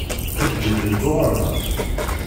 Ǧǧiɣ-t deg uɣerbaz.